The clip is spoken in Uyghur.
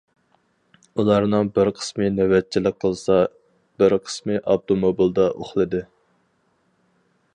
ئۇلارنىڭ بىر قىسمى نۆۋەتچىلىك قىلسا، بىر قىسمى ئاپتوموبىلدا ئۇخلىدى.